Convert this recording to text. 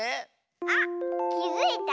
あっきづいた？